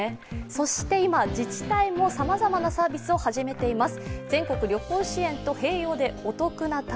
そして今、自治体もさまざまなサービスを始めています。